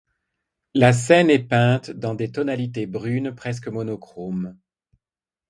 La scène est peinte dans des tonalités brunes, presque monochrome.